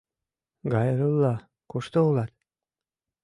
Гайрулла, кушто улат?